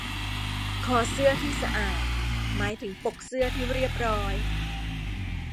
คอเสื้อที่สะอาดหมายถึงปกเสื้อที่เรียบร้อย